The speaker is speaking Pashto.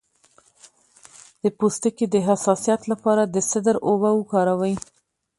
د پوستکي د حساسیت لپاره د سدر اوبه وکاروئ